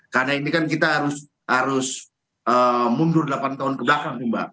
karena ini kan kita harus mundur delapan tahun ke belakang mbak